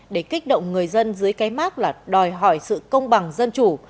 để kích động người dân dưới cái mát là đòi hỏi sự công bằng dân chủ